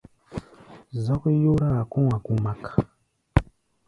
Zɔ́k yóráa kɔ̧́-a̧ kumak.